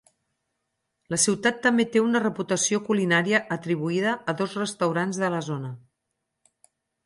La ciutat també té una reputació culinària atribuïda a dos restaurants de la zona.